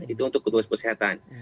itu untuk ketubas kesehatan